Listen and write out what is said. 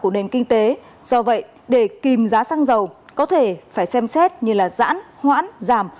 của nền kinh tế do vậy để kìm giá xăng dầu có thể phải xem xét như giãn hoãn giảm